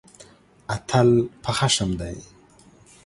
اتل په خښم دی.